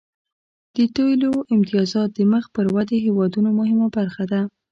د تیلو امتیازات د مخ پر ودې هیوادونو مهمه برخه ده